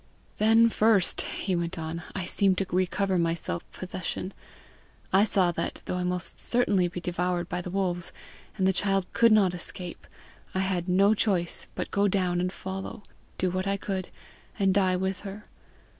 "Then first," he went on, "I seemed to recover my self possession. I saw that, though I must certainly be devoured by the wolves, and the child could not escape, I had no choice but go down and follow, do what I could, and die with her.